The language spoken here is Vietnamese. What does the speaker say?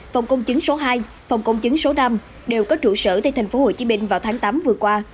phòng công chứng số hai phòng công chứng số năm đều có trụ sở tại tp hcm vào tháng tám vừa qua